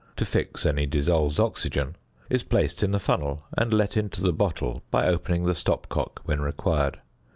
to fix any dissolved oxygen, is placed in the funnel, and let into the bottle by opening the stopcock when required.